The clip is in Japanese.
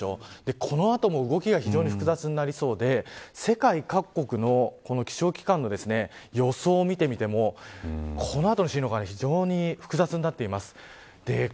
この後も、動きが非常に複雑になりそうで世界各国の気象機関の予想を見てみてもこの後の進路が非常に複雑になっています。